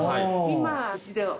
今うちでは。